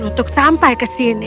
bagaimana mungkin kau mencapai ini